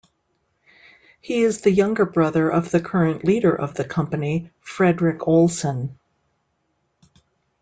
He is the younger brother of the current leader of the company, Fredrik Olsen.